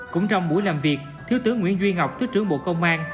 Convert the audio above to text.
cũng trong buổi làm việc thiếu tướng nguyễn duy ngọc thứ trưởng bộ công an